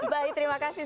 baik terima kasih